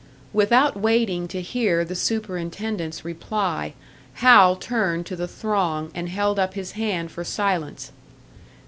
Without waiting to hear the superintendent's reply, Hal turned to the throng, and held up his hand for silence.